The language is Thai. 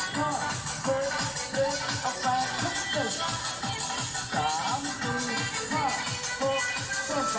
สามสี่ห้าหกเกิดละแปด